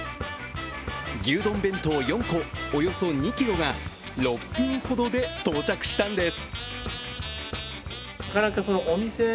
牛丼弁当４個、およそ２ｋｇが６分ほどで到着したんです。